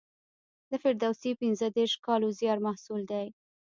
د فردوسي پنځه دېرش کالو زیار محصول دی.